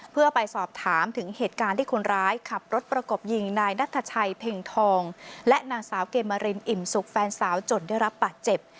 เพื่อไปสอบถามถึงเหตุการณ์ที่คนร้ายขับรถประกบยิงนายนัทชัยเพ็งทองและนางสาวเกมรินอิ่มสุขแฟนสาวจนได้รับบาดเจ็บ